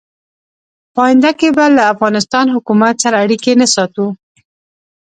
په آینده کې به له افغانستان حکومت سره اړیکې نه ساتو.